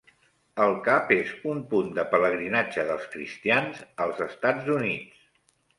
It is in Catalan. El Cap és un punt de pelegrinatge dels cristians als Estats Units.